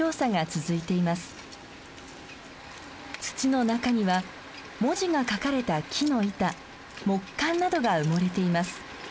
土の中には文字が書かれた木の板木簡などが埋もれています。